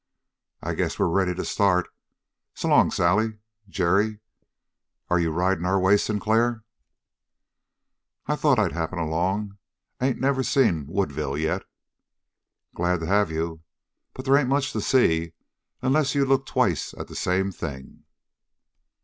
I guess we're ready to start. S'long Sally Jerry. Are you riding our way, Sinclair?" "I thought I'd happen along. Ain't never seen Woodville yet." "Glad to have you. But they ain't much to see unless you look twice at the same thing."